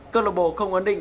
cơ bộ không ấn định